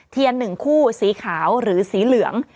๑คู่สีขาวหรือสีเหลือง